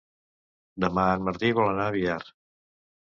Demà en Martí vol anar a Biar.